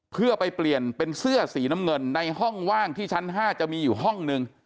เพื่อไปเปลี่ยนเป็นเสื้อสีน้ำเงินในห้องว่างที่ชั้น๕จะมีอยู่ห้องนึง